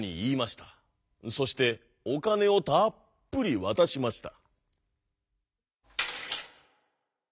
そしておかねをたっぷりわたしました。